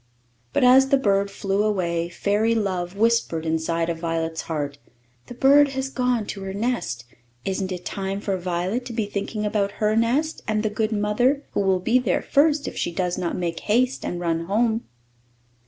But as the bird flew away, Fairy Love whispered inside of Violet's heart, "The bird has gone to her nest. Isn't it time for Violet to be thinking about her nest, and the good mother, who will be there first if she does not make haste and run home?"